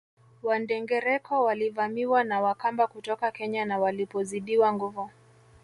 Wandengereko walivamiwa na Wakamba kutoka Kenya na walipozidiwa nguvu